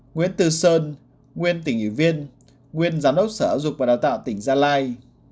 nguyễn tư sơn nguyên tỉnh ủy viên nguyên giám đốc sở giáo dục và đào tạo tỉnh gia lai